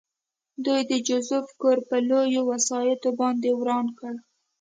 دوی د جوزف کور په لویو وسایطو باندې وران کړ